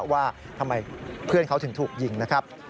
ว่าทำไมเพื่อนเขาถึงถูกยิงนะครับ